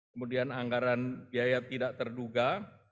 kemudian anggaran biaya tidak terduga